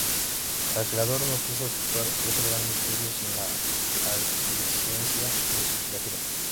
El creador no quiso efectuar ese gran misterio sin la aquiescencia de su criatura.